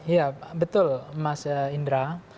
ya betul mas indra